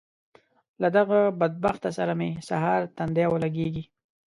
له دغه بدبخته سره مې سهار تندی ولګېږي.